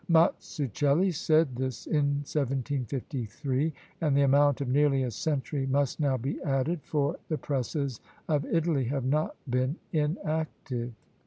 Mazzuchelli said this in 1753; and the amount of nearly a century must now be added, for the presses of Italy have not been inactive.